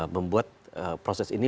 membuat proses ini